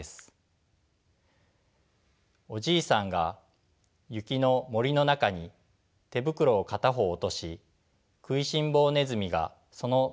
おじいさんが雪の森の中に手袋を片方落としくいしんぼねずみがその手袋を見つけ